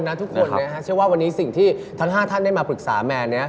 กดทนทุกคนว่าวันนี้สิ่งที่ทั้ง๕ท่านได้มาปรึกษาแมน